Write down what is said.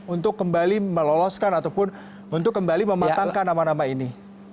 untuk kembali meloloskan ataupun untuk kembali mematangkan nama nama ini